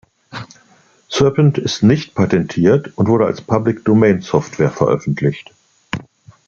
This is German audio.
Serpent ist nicht patentiert und wurde als Public-Domain-Software veröffentlicht.